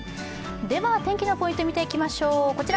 天気のポイントを見ていきましょう。